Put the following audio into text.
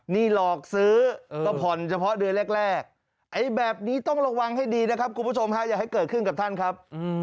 นี่หลอกซื้อก็ผ่อนเฉพาะเดือนแรกไอ้แบบนี้ต้องระวังให้ดีนะครับคุณผู้ชมฮะอย่าให้เกิดขึ้นกับท่านครับ